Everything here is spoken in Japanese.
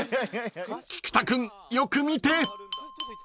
［菊田君よく見て］